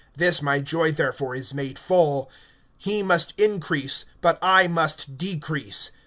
This my joy therefore is made full. (30)He must increase, but I must decrease.